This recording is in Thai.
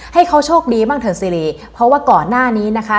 ให้เขาโชคดีบ้างเถอะซีรีเพราะว่าก่อนหน้านี้นะคะ